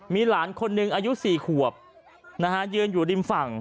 มีหลานคนหนึ่งอายุ๔ขวบยืนอยู่ริมฝั่ง